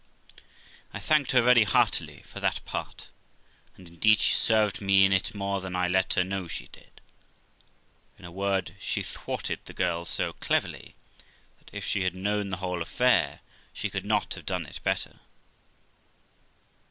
I thanked her very heartily for that part, and indeed she served me in it more than I let her know she did : in a word, she thwarted the girl so cleverly, that if she had known the whole affair she could not have done it better.